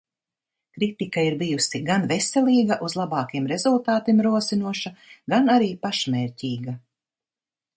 Kritika ir bijusi gan veselīga, uz labākiem rezultātiem rosinoša, gan arī pašmērķīga.